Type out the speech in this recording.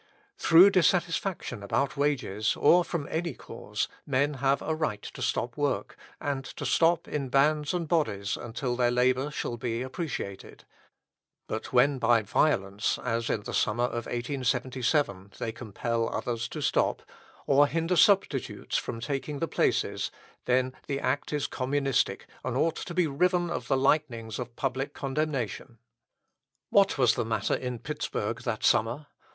Through dissatisfaction about wages, or from any cause, men have a right to stop work, and to stop in bands and bodies until their labour shall be appreciated; but when by violence, as in the summer of 1877, they compel others to stop, or hinder substitutes from taking the places, then the act is Communistic, and ought to be riven of the lightnings of public condemnation. What was the matter in Pittsburg that summer?